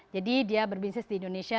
jadi dia berbisnis di indonesia